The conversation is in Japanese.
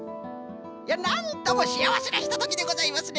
いやなんともしあわせなひとときでございますね